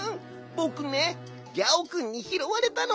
ぼくねギャオくんにひろわれたの。